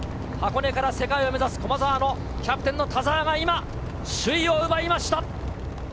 箱根から世界を目指す駒澤のキャプテンの田澤が今、首位を奪いました。